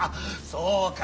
そうか。